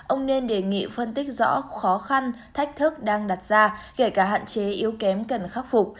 ông nên đề nghị phân tích rõ khó khăn thách thức đang đặt ra kể cả hạn chế yếu kém cần khắc phục